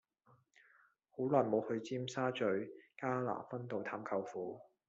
好耐無去尖沙咀加拿分道探舅父